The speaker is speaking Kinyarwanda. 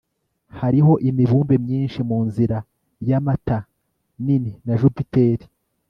Hariho imibumbe myinshi munzira yAmata nini na Jupiter